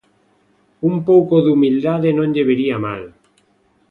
Un pouco de humildade non lle viría mal.